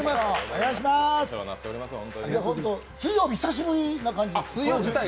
水曜日、久しぶりな感じです